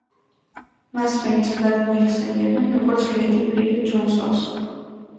მას მეტწილად მოიხსენიებდნენ, როგორც ლედი ბირდ ჯონსონს.